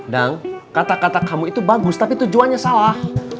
dong kata kata kamu itu bagus tapi tujuannya salah